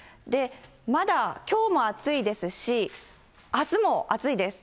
まだきょうも暑いですし、あすも暑いです。